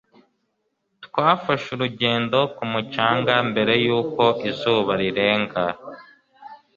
Twafashe urugendo ku mucanga mbere yuko izuba rirenga.